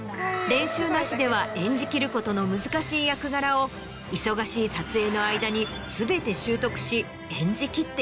練習なしでは演じきることの難しい役柄を忙しい撮影の間に全て習得し演じきっているのだ。